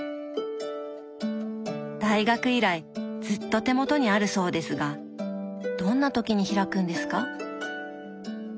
大学以来ずっと手元にあるそうですがどんな時に開くんですか？